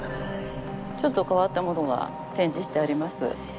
ちょっと変わったものが展示してあります。